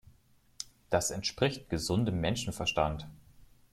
Das entspricht gesundem Menschenverstand.